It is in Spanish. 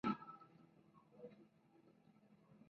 El origen histórico de esta ruta de comunicación es incierto.